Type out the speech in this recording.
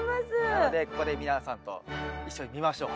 なのでここで皆さんと一緒に見ましょう。